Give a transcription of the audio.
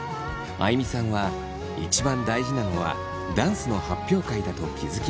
あいみさんは一番大事なのはダンスの発表会だと気付きました。